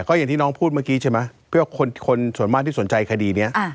ก็อย่างที่น้องพูดเมื่อกี้ใช่ไหมเพื่อคนส่วนมากที่สนใจคดีนี้